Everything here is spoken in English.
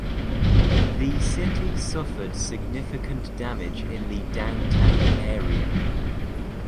The city suffered significant damage in the downtown area.